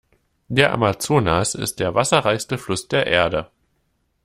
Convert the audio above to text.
Der Amazonas ist der wasserreichste Fluss der Erde.